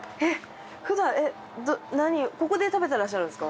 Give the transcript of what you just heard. ふだんここで食べてらっしゃるんですか？